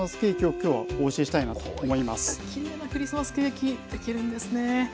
こういったきれいなクリスマスケーキできるんですね。